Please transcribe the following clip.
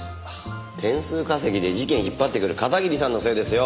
点数稼ぎで事件引っ張ってくる片桐さんのせいですよ。